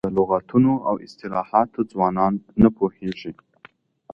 لغتونه او اصطلاحات ځوانان نه پوهېږي.